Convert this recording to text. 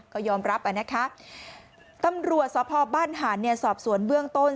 ก็ยอมรับตำรวจทพบหาน์สอบศวนเบื้องต้น